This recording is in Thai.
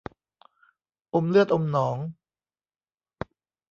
อมเลือดอมหนอง